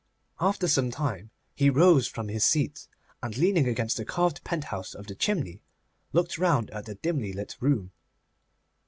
After some time he rose from his seat, and leaning against the carved penthouse of the chimney, looked round at the dimly lit room.